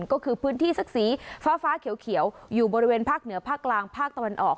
ก็คือพื้นที่สักสีฟ้าเขียวอยู่บริเวณภาคเหนือภาคกลางภาคตะวันออก